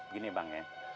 gini bang ya